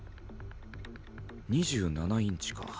２７インチか。